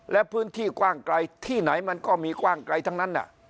และพื้นที่กว้างไกลที่ไหนมันก็มีกว้างไกลทั้งนั้น